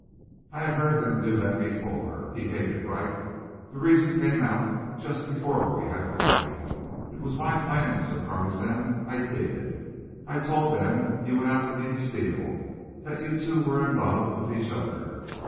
I had heard them do that before. He hated Wright. The reason came out just before we had the fight. It was my plan to surprise them. I did. I told them you went out to meet Steele that you two were in love with each other.